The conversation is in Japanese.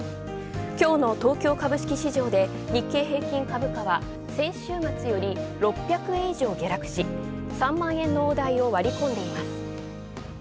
きょうの東京株式市場で日経平均株価は先週末より６００円以上下落し、３万円の大台を割り込んでいます。